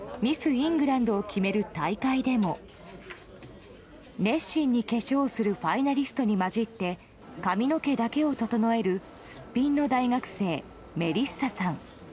・イングランドを決める大会でも熱心に化粧をするファイナリストに交じって髪の毛だけを整えるすっぴんの大学生メリッサさん。